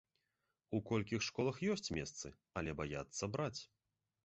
У колькіх школах ёсць месцы, але баяцца браць.